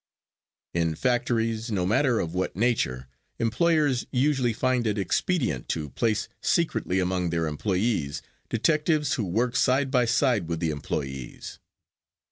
In factories, no matter of what nature, employers usually find it expedient to place secretly among their employees, detectives who work side by side with the employees.